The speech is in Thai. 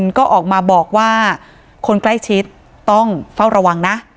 ก็ออกมาบอกว่าคนใกล้ชิดต้องเฝ้าระวังนะ